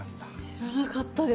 知らなかったです。